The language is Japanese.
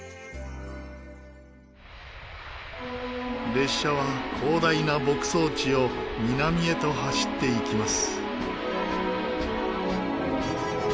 列車は広大な牧草地を南へと走っていきます。